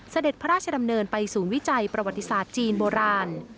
เสด็จพระราชดำเนินไปสู่วิจัยประวัติศาสตร์จีนโบราณ